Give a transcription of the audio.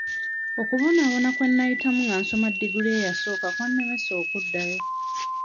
Okubonaabona kwe nayitamu nga nsoma ddiguli eyasooka kwannemesa okuddayo.